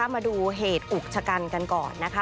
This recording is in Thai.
มาดูเหตุอุกชะกันกันก่อนนะคะ